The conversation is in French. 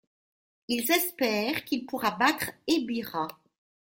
Ils espèrent qu’il pourra battre Ebirah.